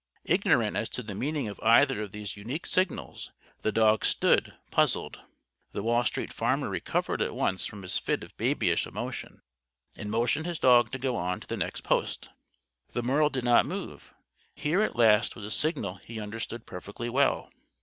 Ignorant as to the meaning of either of these unique signals the dog stood, puzzled. The Wall Street Farmer recovered at once from his fit of babyish emotion, and motioned his dog to go on to the next post. The Merle did not move. Here, at last, was a signal he understood perfectly well.